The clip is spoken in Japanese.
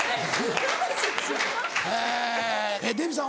えデヴィさん